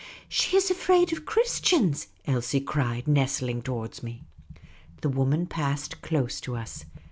"She is afraid of Christians," Elsie cried, nestling to wards me. The woman passed close to us.